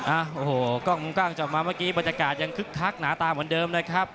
โอ้โหกล้องมุมกว้างจับมาเมื่อกี้บรรยากาศยังคึกคักหนาตาเหมือนเดิมนะครับ